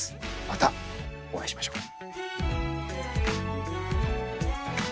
またお会いしましょう。